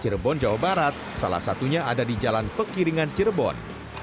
cirebon jawa barat salah satunya ada di jalan pekiringan cirebon